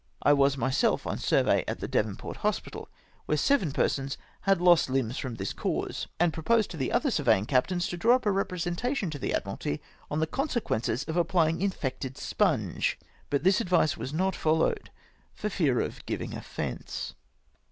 I was mj^self on a survey at the Devonport hospital, where seven persons had lost limbs from this cause ! and proposed to the other surveying captains to di'aw up a representation to the Admu alty on the consequences of appljdng infected sponge ; but the advice was not followed for fear of tii\'in2: offence.